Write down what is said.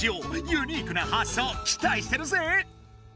ユニークな発想きたいしてるぜ！